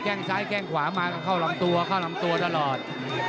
งซ้ายแก้งขวามาก็เข้าลำตัวเข้าลำตัวตลอด